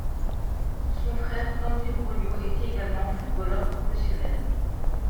Son frère, Dante Brogno était également footballeur professionnel.